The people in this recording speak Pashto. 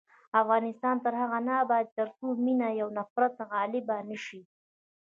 افغانستان تر هغو نه ابادیږي، ترڅو مینه پر نفرت غالبه نشي.